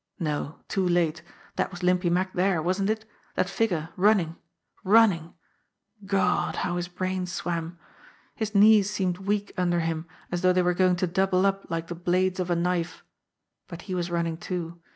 No, not too late ! That was Limpy Mack there, wasn't it ? That figure running, running ! God, how his brain swam ! His knees seemed weak under him, as though they were going to double up like the blades of a knife but he was running too.